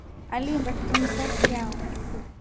Aliinda kitumsa kitrao.